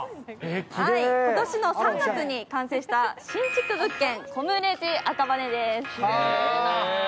今年の３月に完成した新築物件、コムレジ赤羽です。